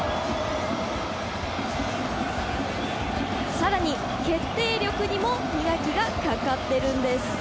更に、決定力にも磨きがかかっているんです。